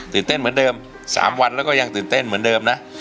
เต้นเหมือนเดิม๓วันแล้วก็ยังตื่นเต้นเหมือนเดิมนะ